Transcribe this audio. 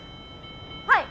はい！